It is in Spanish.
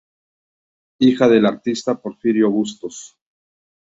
Hija del artista Porfirio Bustos.